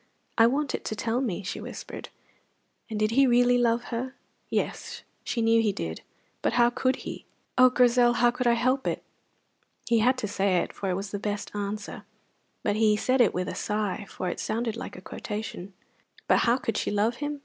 "I want it to tell me," she whispered. And did he really love her? Yes, she knew he did, but how could he? "Oh, Grizel, how could I help it!" He had to say it, for it is the best answer; but he said it with a sigh, for it sounded like a quotation. But how could she love him?